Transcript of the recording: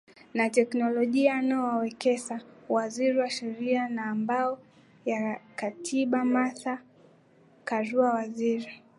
na teknolojia Noah Wekesa Waziri wa sheria na mambo ya katiba Martha Karua Waziri